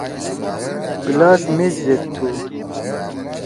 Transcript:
گلاس میز زید تُھو۔